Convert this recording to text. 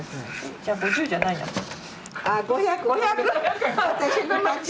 じゃあ５０じゃないじゃん。